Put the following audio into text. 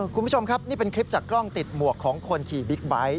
คุณผู้ชมครับนี่เป็นคลิปจากกล้องติดหมวกของคนขี่บิ๊กไบท์